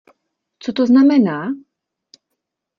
Co to znamená?